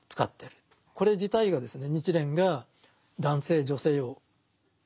これ自体がですね